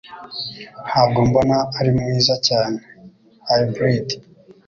Ntabwo mbona ari mwiza cyane (Hybrid)